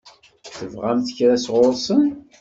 Tebɣamt kra sɣur-sen?